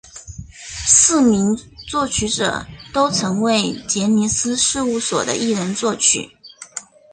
四名作曲者都曾为杰尼斯事务所的艺人作曲。